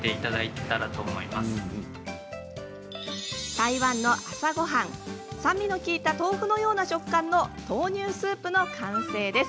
台湾の朝ごはん酸味の利いた豆腐のような食感の豆乳スープの完成です。